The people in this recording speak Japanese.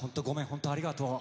本当ありがとう。